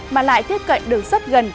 mà lại tiếp cận được rất gần